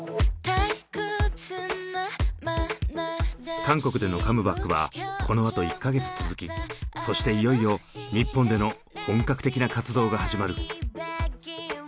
韓国でのカムバックはこのあと１か月続きそしていよいよ日本での本格的な活動が始まる。